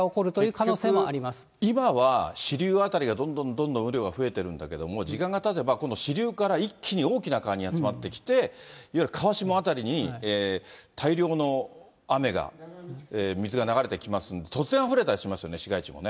結局、今は支流辺りがどんどんどんどん雨量が増えてるんだけども、時間がたてば今度、支流から一気に大きな川に集まってきて、いわゆる川下辺りに、大量の雨が、水が流れてきますので、突然あふれたりしますよね、市街地もね。